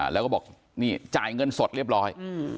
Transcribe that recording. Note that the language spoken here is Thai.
แล้วก็บอกนี่จ่ายเงินสดเรียบร้อย